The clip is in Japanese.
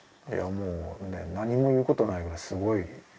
いやもうなにもいうことないぐらいすごい。